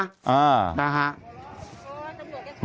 อ้าวนะฮะ